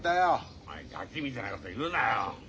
お前ガキみたいなこと言うなよ。